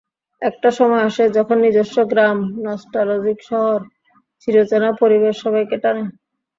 একটা সময় আসে, যখন নিজস্ব গ্রাম, নস্টালজিক শহর, চিরচেনা পরিবেশ সবাইকে টানে।